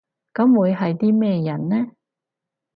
噉會係啲咩人呢？